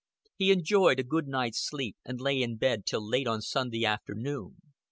He enjoyed a good night's rest, and lay in bed till late on Sunday afternoon.